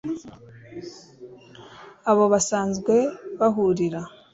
aho basanzwe bahurira